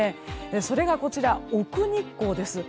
それがこちら、奥日光です。